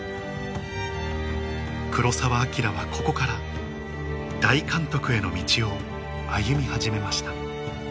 黒澤明はここから大監督への道を歩み始めました